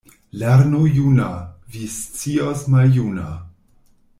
Lernu juna — vi scios maljuna.